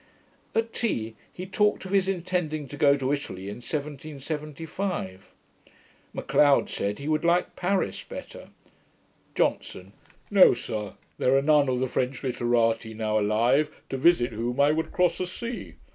At tea he talked of his intending to go to Italy in 1775. M'Leod said, he would like Paris better. JOHNSON. 'No, sir; there are none of the French literati now alive, to visit whom I would cross a sea.